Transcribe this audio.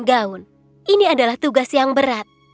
sembilan puluh sembilan gaun ini adalah tugas yang berat